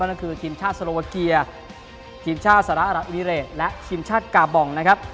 นั่นก็คือทีมชาติโซโลวาเกียทีมชาติสหรัฐวิเรตและทีมชาติกาบองนะครับ